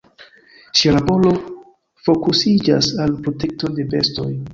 Ŝia laboro fokusiĝas al protekto de bestoj.